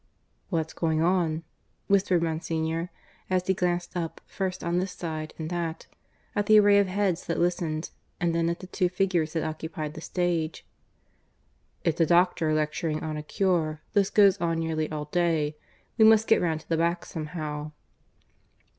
"What's going on?" whispered Monsignor, as he glanced up first on this side and that, at the array of heads that listened, and then at the two figures that occupied the stage. "It's a doctor lecturing on a cure. This goes on nearly all day. We must get round to the back somehow."